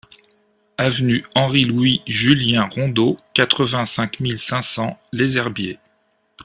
Avenue Henri Louis Julien Rondeau, quatre-vingt-cinq mille cinq cents Les Herbiers